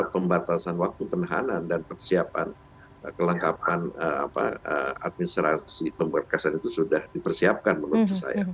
pembatasan waktu penahanan dan persiapan kelengkapan administrasi pemberkasan itu sudah dipersiapkan menurut saya